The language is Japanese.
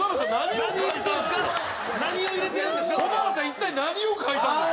一体何を描いたんですか？